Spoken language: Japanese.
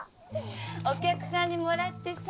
お客さんにもらってさ